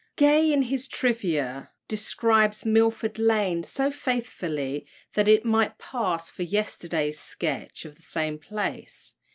Gay, in his Trivia, describes Milford Lane so faithfully that it might pass for a yesterday's sketch of the same place.